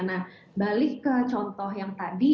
nah balik ke contoh yang tadi